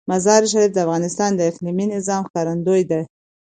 مزارشریف د افغانستان د اقلیمي نظام ښکارندوی ده.